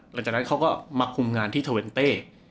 หลังจากนั้นเขาก็มาคุมงานที่เทอร์เวนเต้